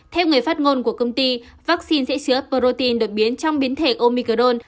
theo người phát ngôn của công ty vaccine sẽ sửa protein được biến trong biến thể omicron